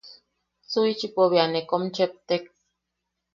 Suichipo bea ne kom cheptek.